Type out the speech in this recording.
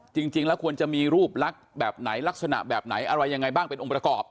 จริงแล้วควรจะมีรูปลักษณ์แบบไหนลักษณะแบบไหนอะไรยังไงบ้างเป็นองค์ประกอบ